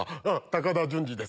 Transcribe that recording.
高田純次です。